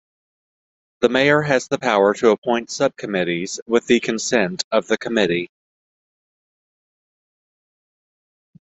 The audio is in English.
The mayor has the power to appoint subcommittees with the consent of the committee.